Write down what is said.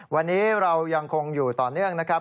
วันนี้เรายังคงอยู่ต่อเนื่องนะครับ